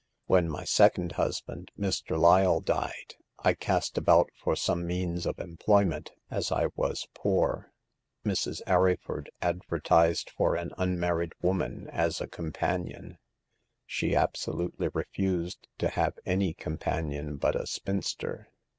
When my second husband, Mr. Lyle, died, I cast about for some means of employment, as I was poor. Mrs. Arryford ad vertised for an unmarried woman as a com panion ; she absolutely refused to have any com panion but a spinster.